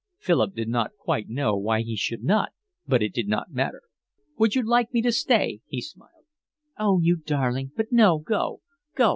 Philip did not quite know why he should not, but it did not matter. "Would you like me to stay?" he smiled. "Oh, you darling! But no, go. Go.